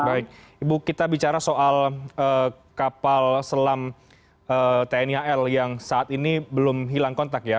baik ibu kita bicara soal kapal selam tni al yang saat ini belum hilang kontak ya